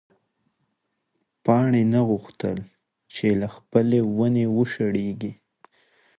پاڼې نه غوښتل چې له خپلې ونې وشلېږي.